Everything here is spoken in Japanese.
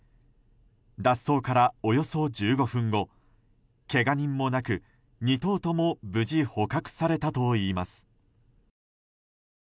脱走から、およそ１５分後けが人もなく２頭とも無事捕獲されたといいます。